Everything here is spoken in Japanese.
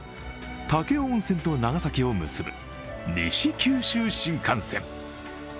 武雄温泉と長崎を結ぶ西九州新幹線。